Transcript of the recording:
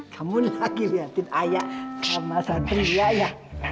kamu lagi liatin ayah sama satria ya